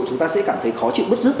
chúng ta sẽ cảm thấy khó chịu bất giúp